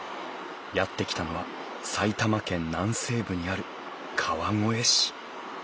やって来たのは埼玉県南西部にある川越市